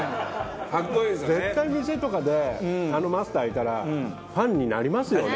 絶対、店とかであのマスターいたらファンになりますよね。